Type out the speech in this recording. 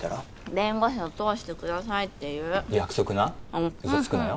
弁護士を通してくださいって言う約束な嘘つくなよ